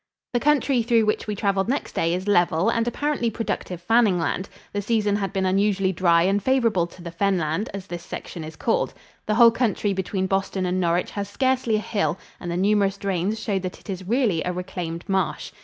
The country through which we traveled next day is level and apparently productive fanning land. The season had been unusually dry and favorable to the fen land, as this section is called. The whole country between Boston and Norwich has scarcely a hill and the numerous drains showed that it is really a reclaimed marsh.